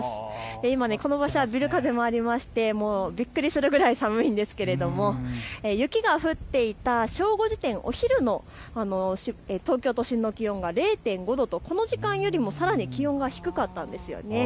今この場所はビル風もありましてびっくりするぐらい寒いんですけれど雪が降っていた正午時点、お昼の東京都心の気温が０．５度とこの時間よりもさらに気温が低かったんですよね。